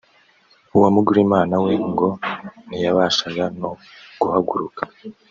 uwa Mugurimari we ngo ntiyabashaga no guhaguruka